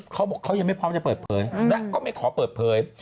เขาบอกเขายังไม่พร้อมจะเปิดเผยและก็ไม่ขอเปิดเผย